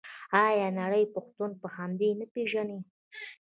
آیا نړۍ پښتون په همدې نه پیژني؟